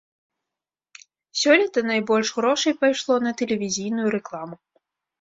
Сёлета найбольш грошай пайшло на тэлевізійную рэкламу.